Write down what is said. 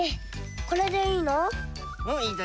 これでいいの？